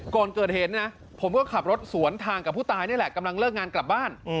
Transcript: ก่อนเกิดเหตุนะผมก็ขับรถสวนทางกับผู้ตายนี่แหละกำลังเลิกงานกลับบ้าน